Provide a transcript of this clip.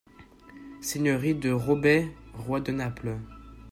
- Seigneurie de Robert, roi de Naples.